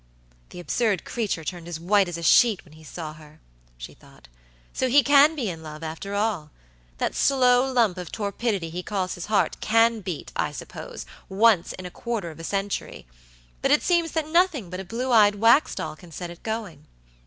"The absurd creature turned as white as a sheet when he saw her," she thought. "So he can be in love, after all. That slow lump of torpidity he calls his heart can beat, I suppose, once in a quarter of a century; but it seems that nothing but a blue eyed wax doll can set it going.